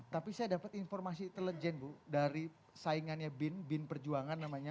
tapi saya dapat informasi intelijen bu dari saingannya bin bin perjuangan namanya